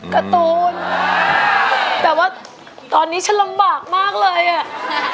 การ์ตูนแต่ว่าตอนนี้ฉันลำบากมากเลยอ่ะ